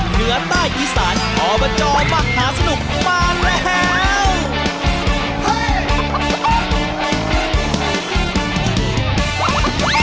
เหนือใต้อีสานอบจมหาสนุกมาแล้ว